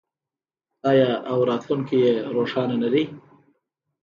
آیا او راتلونکی یې روښانه نه دی؟